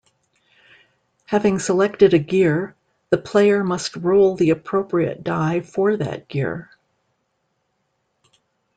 Having selected a gear, the player must roll the appropriate die for that gear.